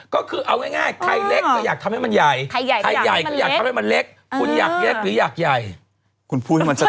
ก็คือเอาง่ายใครเล็กก็อยากทำให้มันใหญ่